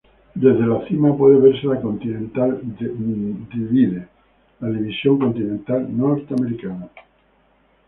Desde la cima puede verse la "Continental Divide", la división continental norteamericana.